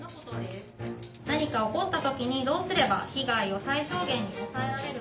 何か起こった時にどうすれば被害を最小限に抑えられるか。